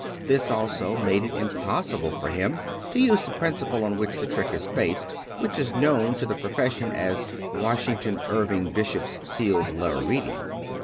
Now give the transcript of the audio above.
This also made it impossible for him to use the principle on which the trick is based, which is known to the pro fession as "Washington Irving Bishop's Sealed Letter Reading."